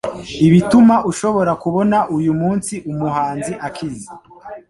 ibituma ushobora kubona uyu munsi umuhanzi akize